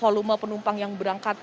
volume penumpang yang berangkat